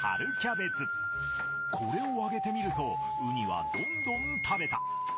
これをあげてみるとウニはどんどん食べた。